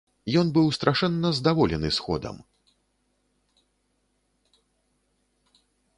Ён быў страшэнна здаволены сходам.